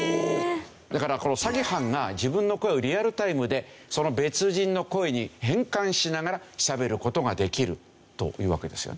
だからこの詐欺犯が自分の声をリアルタイムで別人の声に変換しながらしゃべる事ができるというわけですよね。